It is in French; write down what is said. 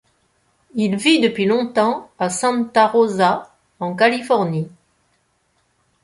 Il vit depuis longtemps à Santa Rosa en Californie.